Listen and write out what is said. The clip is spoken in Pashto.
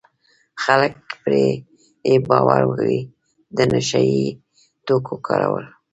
خلک پرې بې باوره وي د نشه یي توکو کارول.